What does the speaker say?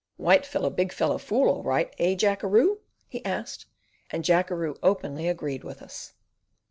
"White fellow big fellow fool all right! eh, Jackeroo?" he asked, and Jackeroo openly agreed with us.